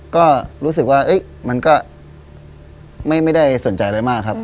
ก็รู้สึกว่ามันก็ไม่ได้สนใจอะไรมากครับ